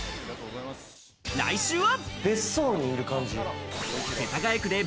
来週は。